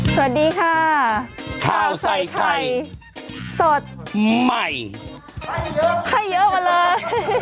สวัสดีค่ะข้าวใส่ไข่สดใหม่ให้เยอะให้เยอะกว่าเลย